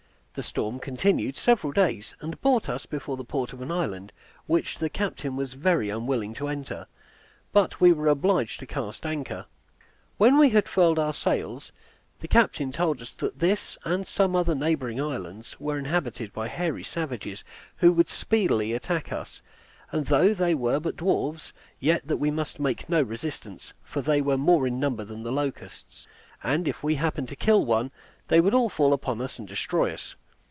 The storm continued several days, and brought us before the port of an island, which the captain was very unwilling to enter; but we were obliged to cast anchor. When we had furled our sails, the captain told us that this and some other neighboring islands were inhabited by hairy savages, who would speedily attack us; and though they were but dwarfs, yet that we must make no resistance, for they were more in number than the locusts; and if we happened to kill one, they would all fall upon us and destroy us.